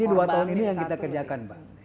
ini dua tahun ini yang kita kerjakan pak